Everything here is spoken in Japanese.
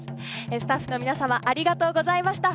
スタッフの皆様ありがとうございました。